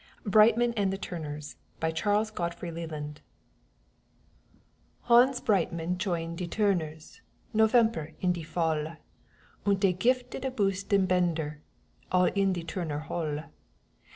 BREITMANN AND THE TURNERS BY CHARLES GODFREY LELAND Hans Breitmann choined de Toorners Novemper in de fall, Und dey gifed a boostin' bender All in de Toorner Hall.